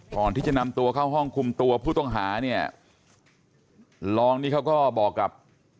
ก่อนที่จะนำตัวเข้าห้องคุมตัวผู้ต้องหาเนี่ยรองนี่เขาก็บอกกับ